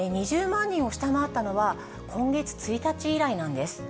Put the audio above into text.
２０万人を下回ったのは、今月１日以来なんです。